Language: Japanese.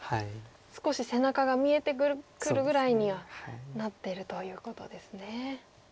少し背中が見えてくるぐらいにはなってるということですね。